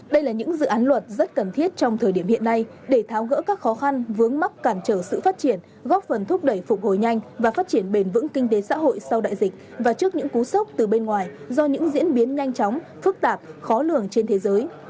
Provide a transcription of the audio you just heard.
đây là những dự án luật rất cần thiết trong thời điểm hiện nay để tháo gỡ các khó khăn vướng mắc cản trở sự phát triển góp phần thúc đẩy phục hồi nhanh và phát triển bền vững kinh tế xã hội sau đại dịch và trước những cú sốc từ bên ngoài do những diễn biến nhanh chóng phức tạp khó lường trên thế giới